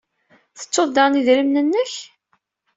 Tettuḍ daɣen idrimen-nnek?